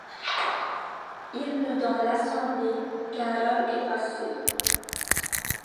Il n'eut dans l'assemblée qu'un rôle effacé.